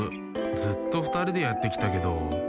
ずっとふたりでやってきたけど。